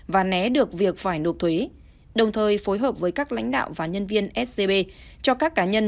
và né được việc phải nộp thuế đồng thời phối hợp với các lãnh đạo và nhân viên scb cho các cá nhân